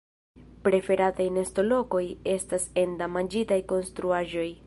Preferataj nestolokoj estas en damaĝitaj konstruaĵoj.